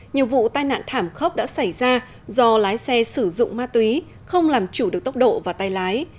nhiều vụ tai nạn thảm khốc đã xảy ra do lái xe sử dụng ma túy không làm chủ được tốc độ và tay lái